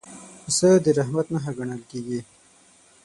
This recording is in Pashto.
پسه د رحمت نښه ګڼل کېږي.